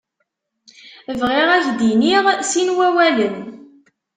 Bɣiɣ ad k-d-iniɣ sin wawalen.